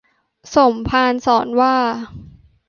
สมภารสอนว่า